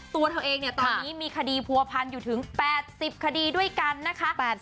ตัวเธอเองมีคดีภูพันธ์อยู่ถึง๘๐คดีด้วยกันนะคะ